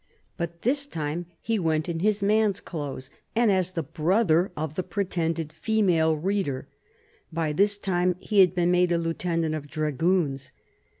But this time he went in his man's clothes and as the brother of the pretended female reader. By this time he had been made a lieutenant of dragoons.